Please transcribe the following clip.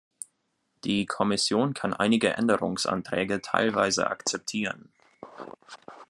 Die Kommission kann einige Änderungsanträge teilweise akzeptieren.